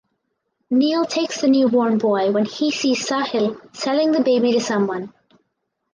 Neel takes the newborn boy when he sees Sahil selling the baby to someone.